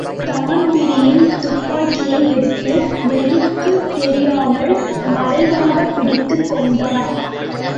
தான்பிரின் துப்பக்கியை எடுத்து வெளிக்குத் தெரியாமல் மறைவாகப் பிடித்துக் கொண்டான்.